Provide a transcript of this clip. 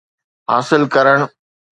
حاصل ڪرڻ